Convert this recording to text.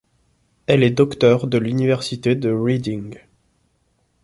Elle est docteure de l'Université de Reading.